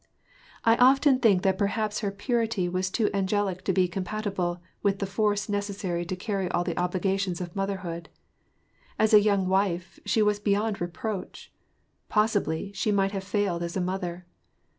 I often think that perhaps her purity was too angelic to be compatible with the force necessary to carry all the obligations of motherhood. As a young wife, she was beyond reproach; possibly, she mishthave failed as a mother.